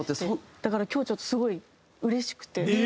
だから今日ちょっとすごいうれしくて。